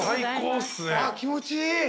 気持ちいい。